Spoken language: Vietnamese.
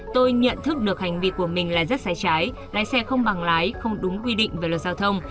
tôi nhận thức được hành vi của mình là rất sai trái lái xe không bằng lái không đúng quy định về luật giao thông